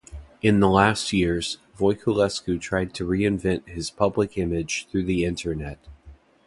In the last years, Voiculescu tried to reinvent his public image through the Internet.